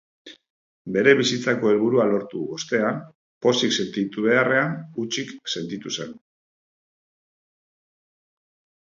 Bere bizitzako helburua lortu ostean, pozik sentitu beharrean, hutsik sentitu zen.